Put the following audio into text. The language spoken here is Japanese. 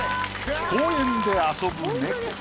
公園で遊ぶ猫。